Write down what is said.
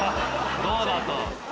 「どうだ？」と。